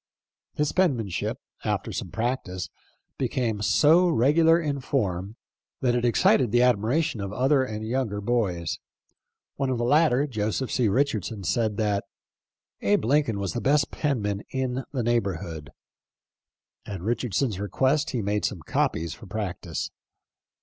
His penmanship, after some practice, became so re gular in form that it excited the admiration of other and younger boys. One of the latter, Joseph C. Richardson, said that "Abe Lincoln was the best penman in the neighborhood." At Richardson's request he made some copies for practice.